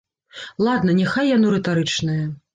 Ладна, няхай яно рытарычнае.